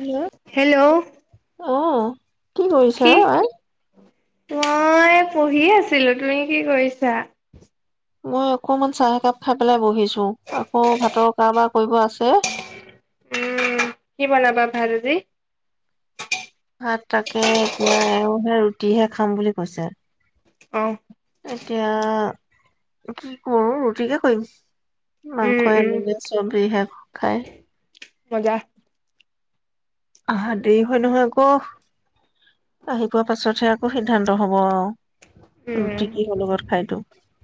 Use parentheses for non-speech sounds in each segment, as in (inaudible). Hello hello অ কি কৰিছা তই পঢ়ি আছিলো তুমি কি কৰিছা মই অকমান চাহ একাপ খাই পেলাই বহিছো আকৌ ভাতৰ কাৰবাৰ কৰিব আছে উম কি বনাবা ভাদজী ভাত তাকে এতিয়া এওঁ সে ৰুটিহে খাম বুলি কৈছে আহ এতিয়া কি কৰো ৰুটিকে কৰিম উম মাংস উম এনেে চ বিহে খাই মজা আহা দেৰি হয় নহয় আকৌ আহি পোৱা পাছতহে সিদ্ধান্ত হব আৰু উম ৰু কি হ'ল ঘ খাইটোো (unintelligible)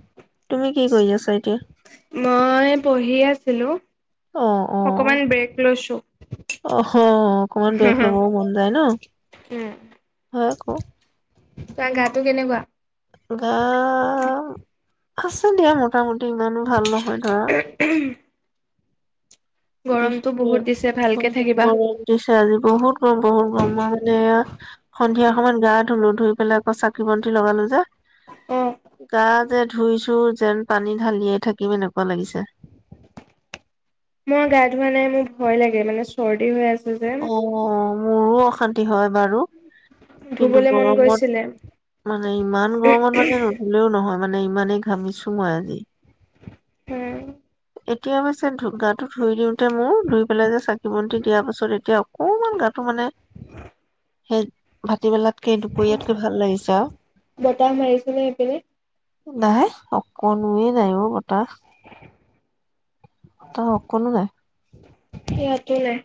মই পঢ়ি আছিলো অকমান ব্ৰেক লৈছো অহ অকমান বেগ উম ল'বও মন যায় ন হয় খৌ তই গাটো কেনেকুৱা গ অ অ অ আছে দিয়া মোটামুটি ইমানো ভাল নহয় গা বিষ গৰমটো বহুত দিছে ভালকে বহুত থাকিবা। গৰম দিছে আজি বহুত গৰম বহুত অ (inaudible) সন্ধিয়া অকমান গা ধুলো ধুই পেলাই আকৌ চাকি বন্তি লগালো যে অ গা যে ধুইছো যেন পানী ঢালিয়েই থাকিম এনেকুৱা লাগিছে মই গা ধোৱা নাই মোৰ ভয় লাগে মানে চৰ্দি হৈ আছে যে। অ মোৰো অশান্তি হয় বাৰু কিন্তু ধুবলৈ মন গৈছিলে গৰমত মানে ইমান গৰমত মানে নধলেও নহয় মানে ইমানেই ঘামিছো মই আজি উম এতিয়া অৱশ্যে ধুকগাতটো ধুই দিওঁতে মোৰ ধুই পেলাই যে চাগে (unintelligible) শমন্তি দিয়াৰ পাছত এতিয়া অকমান গাটো মানে সেই ভ ৰাাটবেলাতকে দুপৰীয়াতকৈ ভাল লাগিছে আৰু বতাহ মাৰিছেনে সেইপিনে? নাই, অকণো নাই অ বতাহ। (inaudible) ত কোনো নাই সয়টো লাই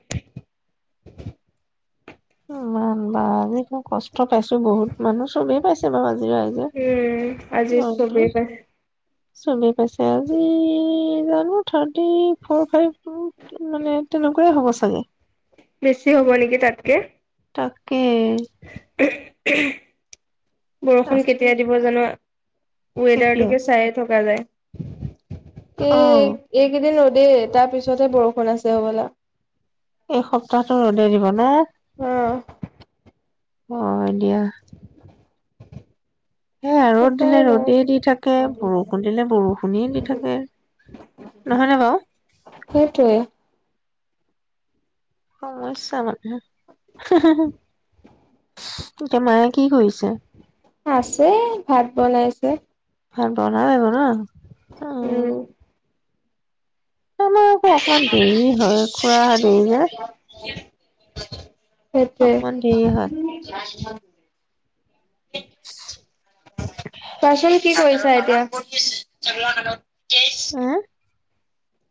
ইমান বা আ কষ্ট পাইছো বহুত মানুহ চবেই পাইছে বাৰু আজি ৰাইজে উম আজি চবেই পাইছে ছবি পাইছে আজি জানো থাৰ্টি ফৰ ফাইভ মানে তেনেকুৱাই হ'ব চাগে বেছি হ'ব নেকি তাতকে তাত (unintelligible) বৰষুণ কেতিয়া আচৰিত দিব জানো কেতিয়া ৱেডাৰটোকে চাইে থকা যায় উ (inaudible) অ এই এক দিন দেই তাৰ পিছতহে বৰষুণ আছে হ'বলা এসপ্তাহটো ৰ'দে দিব না অ অ দ দিয়া সেয়া ৰ'দ উপায় দিলে নাই। ৰ'দেই দি থাকে বৰষুণ দিলে বৰষুণেই দি থাকে নহয় নেবাও? সেইটোৱে অ চামান হে হে এতিয়া মায়ে কি কৰিছে আছে ভাত বনাইছে আৰু বনালে বনাই অ উম, অ অকমান দেৰি হয় খুৰা দেৰি যে চো চো অকমান দেৰি হয়। সেইটোয় পাচেল কি কৰিছা এতিয়া কেজ এ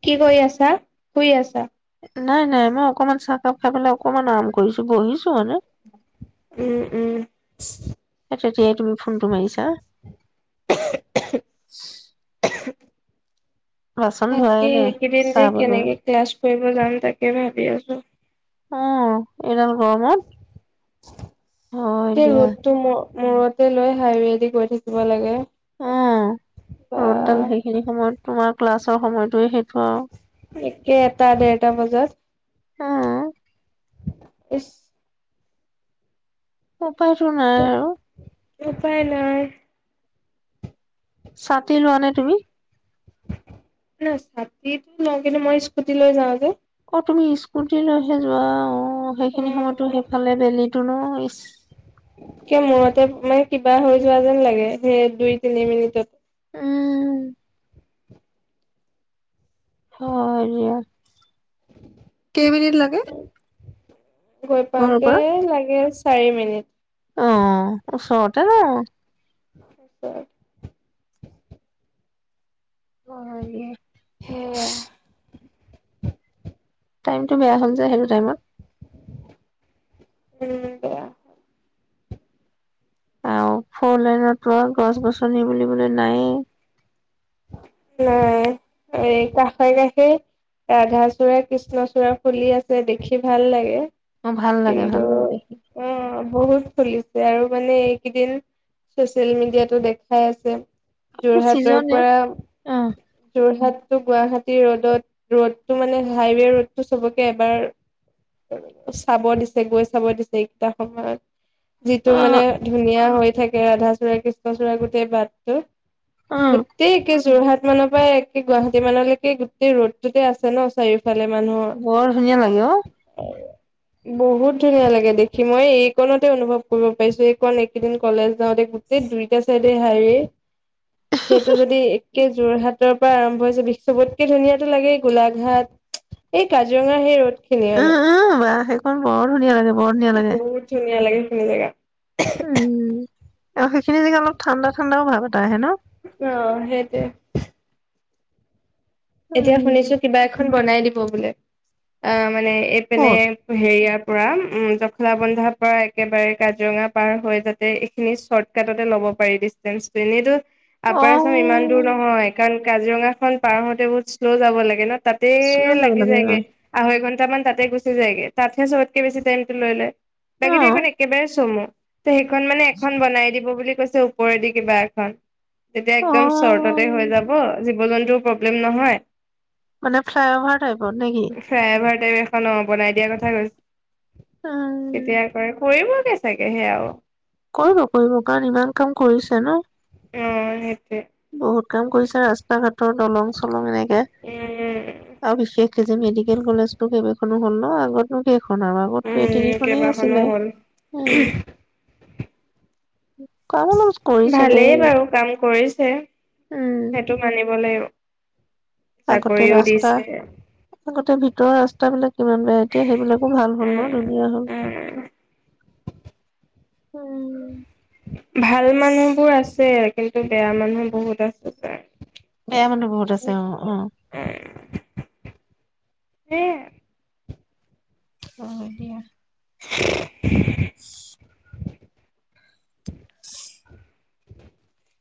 কি কৰি আছা শুই আছা নাই নাই মই অকমান চাহকাপ খাই পেলাই অকমান আৰাম কৰিছো বহিছো মানে উম উম এ তেতিয়াই তুমি ফোনটো মাৰিছা কোহো কোহো ছি তাকে নাই একদিন যে চাহ বনোৱা কেনেকে ক্লাছ কৰিব যাম তাকে ভাবি আছো। উম এইদাল গৰমত অ গোটেই দিয়া ৰ'দটো মোৰ মূৰতে লৈ হাইৱেদি গৈ থাকিব লাগে অ বা ৰদ দাল সেইখিনি সময়ত তোমাৰ ক্লাছৰ সময়তয়ে সেইটো আৰু একে এটা ডেৰটা বজাত উম, ই অ উপ উপায় নাই ছাতি লোৱা নে তুমি নাই ছাতিটো লওঁ কিন্তু মই স্কুটি লৈ যাওঁ যে অ তুমি ইছ স্কুটি লৈহে যোৱা অ সেইখিনি সময়তো সেইফালে বেলি টো ন ইচ কিয় মোৰতে মানে কিবা হৈ যোৱা যেন লাগে সেই দুই তিনি মিনিটত উম হয় (inaudible) কেইমিনিট লাগে গৈ ঘৰৰ পাকে পৰা লাগে চাৰি মিনিট অ ওচৰতে ন (inaudible) অে (inaudible) সে টাইমটো বেয়া হ'ল যে সেইটো টাইমত উম (inaudible) আও ফৰ লাইনত আও গছ গছনি বুলিবলে নাইয়ে নাই এই কাষে কাষে ৰাধা চূড়া কৃষ্ণচূড়া ফুলি আছে দেখি ভাল লাগে অ ভাল লাগে কিন্তু ভাল লাগে দেখি উম বহুত চলুলিছে আৰু মানে এইকেইদিন চচিয়েল মিডিয়াতো দেখাই আছে এইটো যোৰহাটৰ চিজনে পৰা অ যোৰহাটোক গুৱাহাটী ৰোডত ৰ'দটো মানে হাইৱে ৰোডটো চবকে এবাৰ চাব দিছে গৈ চাব দিছে এইকেইটা সময়ত অ যিটো মানে ধুনীয়া হৈ থাকে ৰাধাচূড়া কৃষ্ণচূড়া গোটেই বাটটো গ অ (unintelligible) যোৰহাট মানৰ পৰা একে গুৱাহাটী মানলৈকে গোটেই ৰোড টোতে আছে ন চাৰিওফ বৰ ধুনীয়া লাগে অ বহুত ধুনীয়া লাগে দেখি মই এইকণতে অনুভৱ কৰিব পাৰিছো এইকণ এইকেইদিন কলেজ যাওঁতে গোটেই দুইটা চাইডে হাইৱে যদি একে যোৰহাটৰ পৰা আৰম্ভ হৈছে (unintelligible) সবতকে ধুনীয়াটো লাগে গোলাঘাট এই কাজিৰঙা সেই ৰ'দ শিনিয়ানে অ (inaudible) ধুনীয়া লাগে বৰ ধুনীয়া লাগে ধুনীয়া লাগে সেইখিনি জেগা উম আৰু সেইখিনি যেগা অলপ ঠাণ্ডা ঠাণ্ডাও ভাৱ এটা আহে ন অ সেইটোৱে এতিয়া উম শুনিছো কিবা এখন বনাই দিবি (unintelligible) অ মানে এইপিনে ক'ত হেৰিয়া পূৰা জখলাবন্ধাৰ পৰা একেবাৰে কাজিৰঙা পাৰ হৈ যাতে এইখিনি শ্বৰ্টকাটতে ল'ব পাৰি ডিষ্টেঞ্চটো এনেইতো অ আপাৰআছাম ইমান দূৰ নহয় কাৰণ কাজিৰঙা খন পাৰ হওঁতে শ্লৌ যাব লাগে ন তাতে যাব লাগি লাগে যায়গে, আঢ়ৈ ঘণ্টা কেইটামান তাতে গুচি যায়গে, তাতহে ছবতকৈ বেছি টাইমটো লৈ লয়। অ বাকী দেখোন একেবাৰে চমু তে সেইখন মানে এখন বনাই দিব বুলি কৈছে ওপৰেদি কিবা এখন। তেতিয়া অ একদম চৰ্টততে হৈ যাব। জীৱ জন্তুৰ প্ৰব্লেম নহয়। মানে ফ্লাইঅভাৰ টাইপত নে কি? ফ্লাই অভাৰ এখন অ বনাই দিয়াৰ কথা কৈছে। উম কেতিয়া কৰে, কৰিব। এ চাগে সেয়া আৰু। কৰিব কৰিব কাৰণ ইমান কাম কৰিছে ন। উম সেইটোৱে। বহুত কাম কৰিছে ৰাস্তা ঘাটৰ দলং চলং এনেকে। উম আৰু বিশেষ এই যে মেডিকেল কলেজতো কেইবাখনো হ'ল ন, আগতনো কেই দুখনৰ আগততো এই উম তিনিখনেই কেইবাখনো আছিলে। হ'ল উম কাম অলপ কৰিছে দেই ভালেই বাৰু কাম কৰিছে। উম সেইটো মানিব লাগিব। আগতে চাকৰিও ৰাস্তা, দিছে আগতে ভিতৰৰ ৰাচ (unintelligible) কিমান বেয়া। এতিয়া সেইবিলাকো ভাল হ'ল ন উম ধুনীয়া হল। উম উম ভাল মানুহবোৰ আছে। কিন্তু বেয়া মানুহ বহুত আছে তাৰ। বেয়া মানুহ বহুত আছে অ' অ'। হে অ' দিয়া। (unintelligible) (unintelligible) (unintelligible)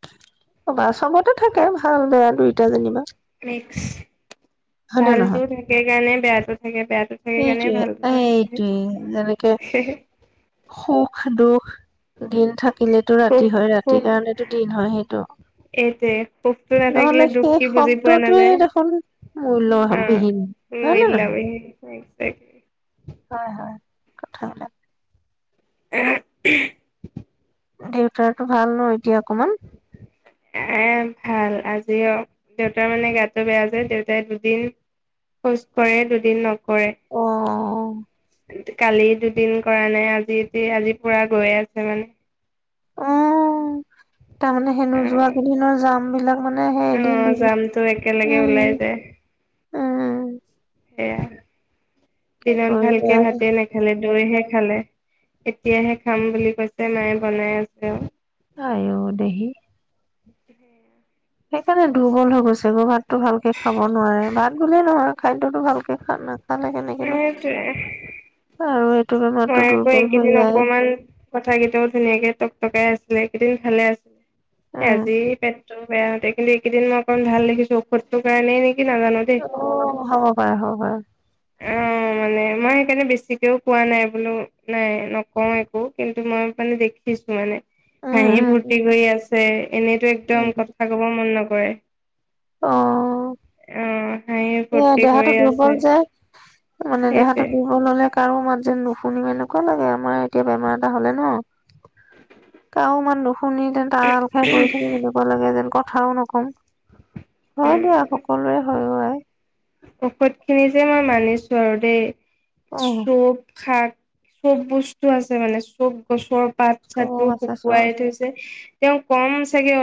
অ বাৰু চবতে থাকে ভাল বেয়া দুইটা যেনিবা। মিক্স হয় নে ভালতো নহয়? থাকে কাৰণে বেয়াটো থাকে বেয়াটো থাকে কাৰণে এইটোৱে, ভালটো থাকে এইটোৱেই। যেনেকে সেইটোৱে। সুখ সুখ দুখ দিন থাকিলেতো সুখ ৰাতি হয় ৰাতিৰ সুখ কাৰণেতো দিন হয়। সেইটো এইটোৱে সুখটো নাথাকিলে নহলে দুখ সেই কি বুজি পোৱা শব্দটোৱে নাযায় দেখোন মূল্যবিহীন হয় নে নহয়? এক হয় হয় কথািল আহ দেউতো ভাল ন এতিয়া অকমান? আহ ভাল আজ যি দেউতাৰ মানে গাতটো বেয়া যে দেউতাই দুদিন খোজ কৰেঢ় দুদিন ন কৰে অ কালি দুদিন কৰা নাই আজি আজি পুৰা গৈয়ে আছে মানে অ তাৰমানমানে হেনো যোৱ কেইদিনৰ জাম বিলাক মানে সেই অ এদিন দুদিন যাম ো একেলগে উম ওলাই যায় উম সয়াাই কি দিনত ভালকে কৰিবা ভাতে নেখালে দৈহে খালে এতিয়াহে খাম বুলি কৈছে মায়ে বনাই আছে আৰু আহ দহি সেইকাৰণে দুৰ্বল হৈ গৈছে কৰ'ৰবাত ো ভালকে খাব নোৱাৰে ভাত গ'লে নৰক খাদ্্যতটো ভালকে খা না ভালে কেনেকনো সেইটোৱে আৰু এইটো মই বেমাৰতো আকৌ দুৰ্বল হৈ এইকেইদিন যায় অকমান কথাকেইটাও ধুনীয়াকে টক টকাই আছিলে কেইদিন ভালে আছিলে উম তজি প বেয়াতে কিন্তু এইকেইদিন মই অকণ ভাল দেখিছোঔধৰ কাৰণেইেকি নাজানো দেই অ হ'ব পাৰে হ'ব পাৰে অ মানে মই সকাৰণে বেছিকেও কোৱা নাই বোলো নাই নকওঁ একো কিন্তু মই মানে দেখিছো মানে উম হাঁহি উম ফূুৰ্তি কৰি আছে এনেইতো একদম উম উম। কথা কব মন নকৰে হয় অ অ হয় এ দেহাাতটো দুৰ্বল যোয় মানে সেইটোৱে দেহাটো দুৰ্বল হলে কাৰো মাত যেন নুশুনিম এনেকুৱা লাগে আমাৰ এতিয়া বেমাৰ এটা হলে ন কাৰো মান ন শুনি তেন তাল খাই গৈ থাকিব বুলিনেকুৱা লাগে যেন ক ভাও নকম হয় দিয়া সকলোৰে সৰুৱই ঔষধ খিনি যে মই মানিছো ওচৰতে অ' চব শাক চব বস্তু আছে মানে চব পাত চাত চব বোৰ আছে চব শুকুৱাই আছে থৈছে তেওঁ কম চাগে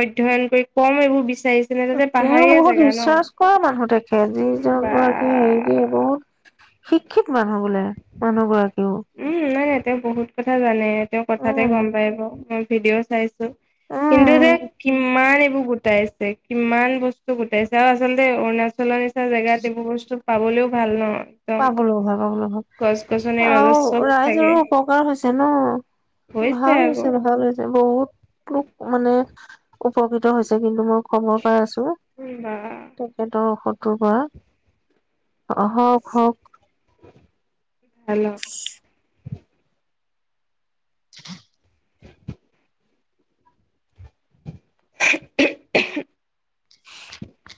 অধ্যয়ন কৰি কম এইবোৰ বিচাৰিছেনে তাতে তেওঁ পাহাৰীয়া বহুত জেগা ন ৰিচাৰ্চ কৰা মানুহ খেজি বা জগৰাকে হেৰি মোৰ শিক্ষিত মানুহ বোলে মানুহগৰাকী উম নাই তেওঁ বহুত কথা জানে তেওঁৰ কথাতে উম গম পাই ভিডিঅ' চাই কিন্তু এতিয়া উম কিমান গোটাইছে কিমান বস্তু গোটাইছে আৰু আচলতে অৰুণাচলৰ জেগাত এইবোৰ বস্তু পাবলৈও ভাল ন পা একদম (unintelligible) ব লগ ভাল পাব লগ ভাল গছ-গছনিৰ মাজত আৰু চব থাকে ৰাইজৰো উপকাৰ হৈছে ন। ভাল হৈছে ভাল হৈছে বহুত লোক মানে উপকৃত হৈছে কিন্তু মই খবৰ পাই আছো, বা তেখেতৰ ঔষধটোৰ পৰা অহ হওঁক ভ (unintelligible) ল (unintelligible) (unintelligible)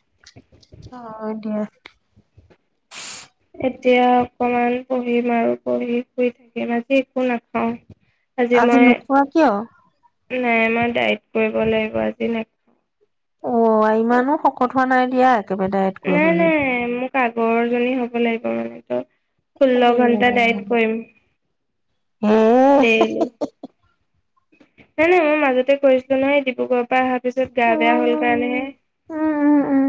(unintelligible) হয় দিয়া এতিয়া অকমান পঢ়িম আৰু পঢ়ি শুই থাকিম আজি একো নাখাও আজি নোখোৱা কিয়? নাই আমাৰ ডাইট কৰিব লাগিব আজি নাখাও অ ইমানো শকত হোৱা নাই দিয়া একেবাৰে ডায়েট নাই কৰিবলৈ নাই মোক আগৰজনী হ'ব লাগিব মানে তো অ ষোল্ল ঘণ্টা ডাইত কৰিম হে দেইলি নাই নাই মই মাজতে কৰিছিলো নহয় ডিব্ৰুগড়ৰ পৰা অহা পিছত গা উম, বেয়া হল কাৰণেহে, উম, উম, উম,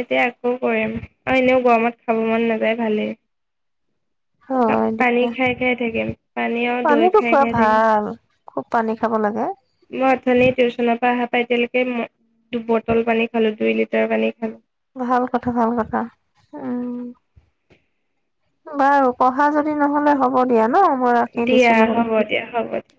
এতিয়া আকৌ কৰিম। আৰু এনেও গৰমত খাব মন নাযায় ভালেই হয় পানী দিয়া। খাই খাই থাকিম, পানী আৰু দৈ পানীটো খাই খোৱা খাই থাকিম, ভাল। খুব পানী খাব লাগে। মই অথনি টিউশচনৰ পা অহা পা এতিয়ালৈকে কে মই দুবটল পানী খালো, দুই লিটাৰ পানী খালো ভাল কথা ভাল কথা উম বাৰু পঢ়া যদি নহলে হ'ব দিয়া ন মই ৰাখি দিয়া দিছোঁ নহ'লে। হ'ব দিয়া হ'ব দিয়া